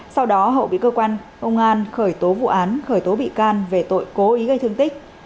sau đó hậu bị cơ quan công an khởi tố vụ án khởi tố bị can về tội cố ý gây thương tích